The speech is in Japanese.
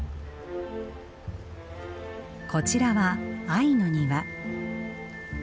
こちらは愛の庭。